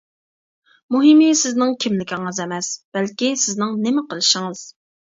مۇھىمى سىزنىڭ كىملىكىڭىز ئەمەس، بەلكى سىزنىڭ نېمە قىلىشىڭىز.